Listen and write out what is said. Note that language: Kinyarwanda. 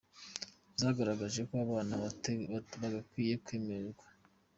zagaragaje ko abana batagakwiye kwemererwa